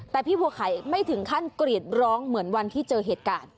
แต่พี่บัวไข่ไม่ถึงขั้นกรีดร้องเหมือนวันที่เจอเหตุการณ์